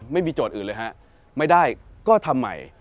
ไม่มีโจทย์อื่นเลยไม่ได้ก็ทำใหม่